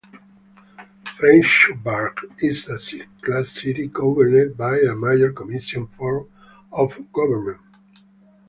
Frenchburg is a six-class city governed by a mayor-commission form of government.